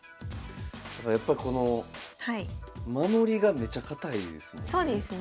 やっぱこの守りがめちゃ堅いですもんね。